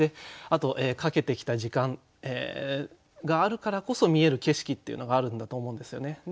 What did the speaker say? あとかけてきた時間があるからこそ見える景色っていうのがあるんだと思うんですよね。